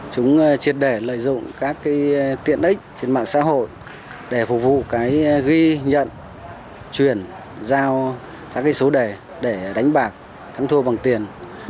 chúng triệt đề lợi dụng các tiện ích trên mạng xã hội để phục vụ ghi nhận truyền giao các số đề để đánh bạc thắng thua bằng tiền